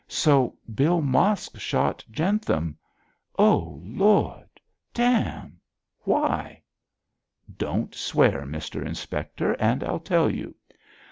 'So Bill Mosk shot Jentham. Oh, Lord! Damme! Why?' 'Don't swear, Mr Inspector, and I'll tell you.